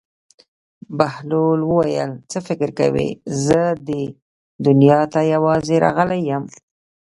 بهلول وویل: څه فکر کوې زه دې دنیا ته یوازې راغلی یم.